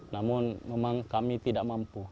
namun memang kami tidak mampu